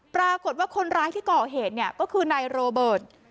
ปรากฏว่าคนร้ายที่ก่อเหตุเนี่ยก็คือนายโรเบิร์ต